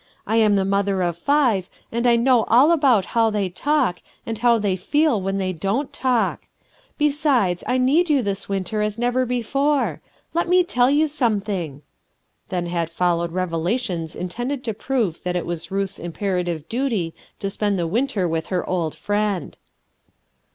I am the mother of MAMIE PARKER 33 five, and I know all about how they talk, and how they feel when they don't talk. Besides, I need you this winter as never before; let me tell you something." Then had followed reve lations intended to prove that it was Ruth s imperative duty to spend the winter with her old friend.